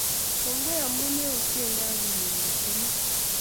Kongoi amun meutient gaa kiniwe pitanin